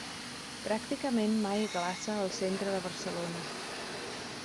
Pràcticament mai glaça al centre de Barcelona.